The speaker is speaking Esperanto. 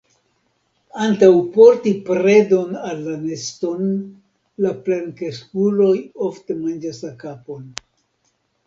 Antaŭ porti predon al la neston, la plenkreskuloj ofte manĝas la kapon.